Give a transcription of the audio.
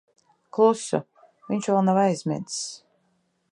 Klusu. Viņš vēl nav aizmidzis.